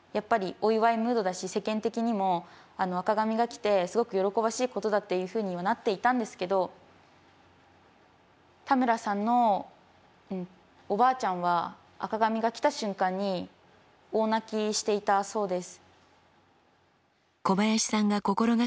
世間的にも赤紙が来てすごく喜ばしいことだっていうふうにはなっていたんですけど田村さんのおばあちゃんは赤紙が来た瞬間に大泣きしていたそうです。